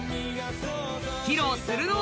披露するのは